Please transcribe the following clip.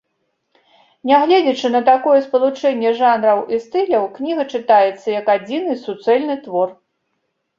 Нягледзячы на такое спалучэнне жанраў і стыляў, кніга чытаецца як адзіны, суцэльны твор.